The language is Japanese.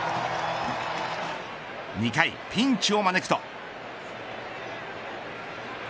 ２回ピンチを招くと。